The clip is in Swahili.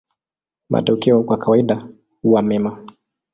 Matokeo kwa kawaida huwa mema.